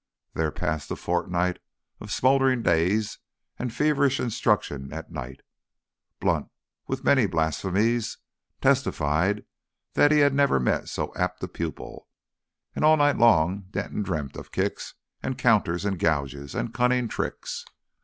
There passed a fortnight of smouldering days and feverish instruction at night; Blunt, with many blasphemies, testified that never had he met so apt a pupil; and all night long Denton dreamt of kicks and counters and gouges and cunning tricks.